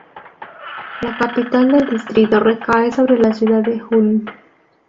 La capital del distrito recae sobre la ciudad de Ulm.